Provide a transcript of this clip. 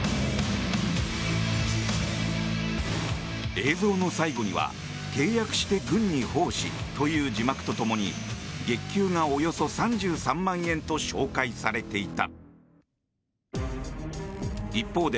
映像の最後には契約して軍に奉仕という字幕とともに月給が、およそ３３万円と紹介されていた。